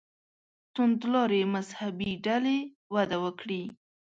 توندلارې مذهبي ډلې وده وکړي.